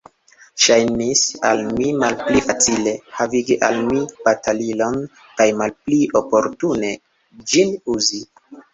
Ŝajnis al mi malpli facile, havigi al mi batalilon, kaj malpli oportune, ĝin uzi.